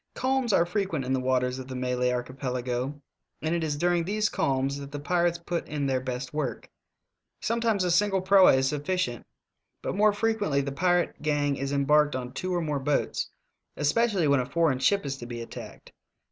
Calms are frequent in the waters of the Malay Archipelago, and it is during these calms that the pirates put in their best work. Sometimes a single proa is sufficient, but more frequently the pirate gang is embarked on two or more boats, especially when a foreign ship is to be attacked.